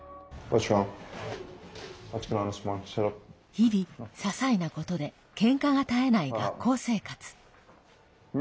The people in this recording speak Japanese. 日々、ささいなことでけんかが絶えない学校生活。